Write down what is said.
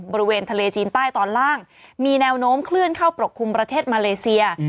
บริเวณทะเลจีนใต้ตอนล่างมีแนวโน้มเคลื่อนเข้าปกคลุมประเทศมาเลเซีย